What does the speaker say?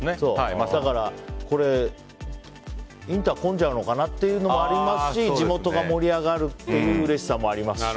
だから、これインターが混んじゃうのかなっていうのもありますし、地元が盛り上がるといううれしさもありますし。